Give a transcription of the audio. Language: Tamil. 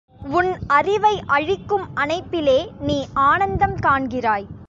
உன் அறிவை அழிக்கும் அணைப்பிலே நீ ஆனந்தம் காண்கிறாய்!